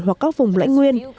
hoặc các vùng lãnh nguyên